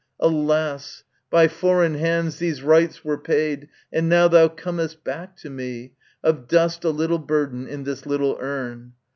Alas! by foreign hands these rites were paid, And now thou comest back to me, of dust A little burden in this little urn.